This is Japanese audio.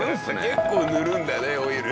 結構塗るんだねオイル。